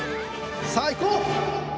さあいこう！」。